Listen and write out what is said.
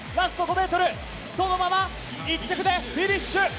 そのまま１着でフィニッシュ！